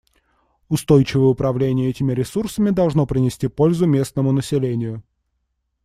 Устойчивое управление этими ресурсами должно принести пользу местному населению.